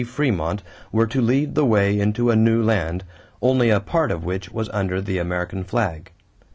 Frémont were to lead the way into a new land, only a part of which was under the American flag.